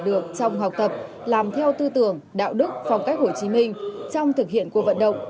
được trong học tập làm theo tư tưởng đạo đức phong cách hồ chí minh trong thực hiện cuộc vận động